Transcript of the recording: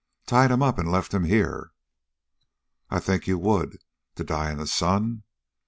"Tied him up and left him here." "I think you would to die in the sun!"